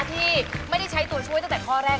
ที่ไม่ได้ใช้ตัวช่วยตั้งแต่ข้อแรก